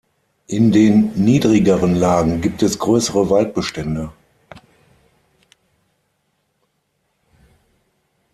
In den niedrigeren Lagen gibt es größere Waldbestände.